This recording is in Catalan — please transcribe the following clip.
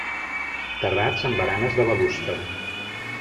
Terrats amb baranes de balustre.